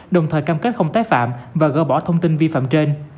đồng thời cam kết không tái phạm và gỡ bỏ thông tin vi phạm trên